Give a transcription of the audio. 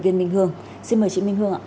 xin mời chị minh hương